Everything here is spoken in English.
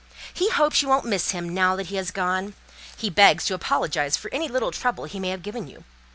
He hopes you won't miss him now that he has gone; he begs to apologize for any little trouble he may have given you.